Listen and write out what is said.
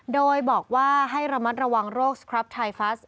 โดยบอกว่าให้ระมัดระวังโรคสครับไทฟัส